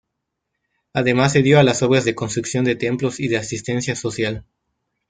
Además se dio a las obras de construcción de templos y de asistencia social.